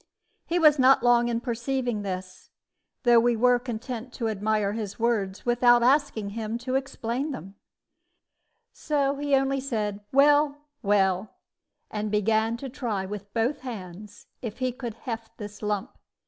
He was not long in perceiving this, though we were content to admire his words without asking him to explain them; so he only said, "Well, well," and began to try with both hands if he could heft this lump.